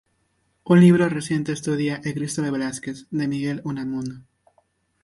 Un libro reciente estudia "El Cristo de Velázquez" de Miguel de Unamuno.